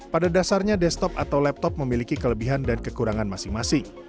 pada dasarnya desktop atau laptop memiliki kelebihan dan kekurangan masing masing